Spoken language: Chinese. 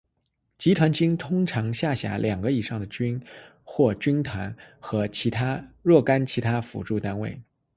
集团军通常下辖两个以上的军或军团和若干其他辅助单位。